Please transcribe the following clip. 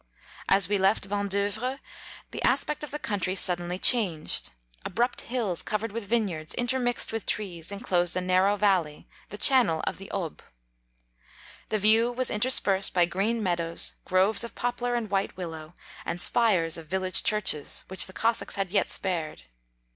As we left Vandeu vres the aspect of the country sudden ly changed; abrupt hills, covered with vineyards, intermixed with trees, en closed a narrow valley, the channel of the Aube. The view was interspersed by green meadows, groves of poplar and white willow, and spires of village churches, which the Cossacs had yet spared.